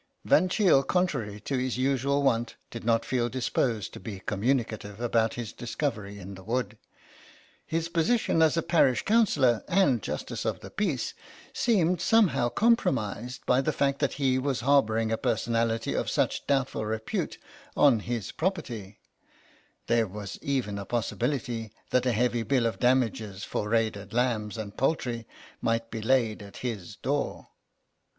Van Cheele, contrary to his usual wont, did not feel disposed to be communicative about his discovery in the wood. His posi tion as a parish councillor and justice of the peace seemed somehow compromised by the fact that he was harbouring a personality of such doubtful repute on his property; there was even a possibility that a heavy bill of damages for raided lambs and poultry might be laid at his door.